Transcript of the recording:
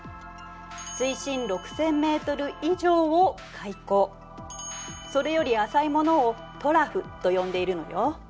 水深６０００ｍ以上を海溝それより浅いものをトラフと呼んでいるのよ。